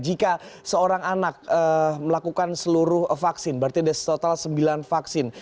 jika seorang anak melakukan seluruh vaksin berarti ada total sembilan vaksin